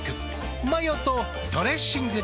マヨとドレッシングで。